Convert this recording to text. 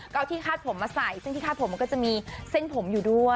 ก็เอาที่คาดผมมาใส่ซึ่งที่คาดผมมันก็จะมีเส้นผมอยู่ด้วย